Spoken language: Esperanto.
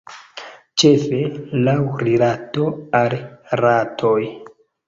Ĉefe, laŭ rilato al ratoj.